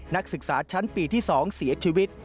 นักศึกษาชั้นปีที่๒เสียชีวิต